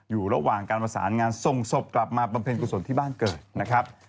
อยู่ระหว่างการประสานงานส่งศพกลับมาบำเพ็ญกุศลที่บ้านเกิดนะครับ